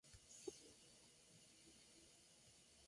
El amor comienza y acaba.